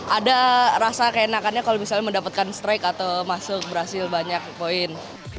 ada rasa keenakannya kalau misalnya mendapatkan strike atau masuk berhasil banyak poin